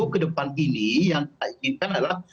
ke depan ini yang saya inginkan adalah